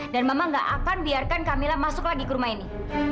dan mama nggak akan biarkan kamilah masuk lagi ke rumah ini